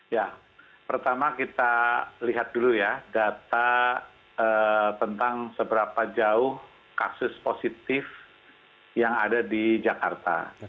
ya pertama kita lihat dulu ya data tentang seberapa jauh kasus positif yang ada di jakarta